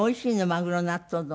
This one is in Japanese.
マグロ納豆丼って。